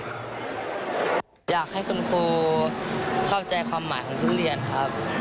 อยากให้คุณครูเข้าใจความหมายของทุเรียนครับ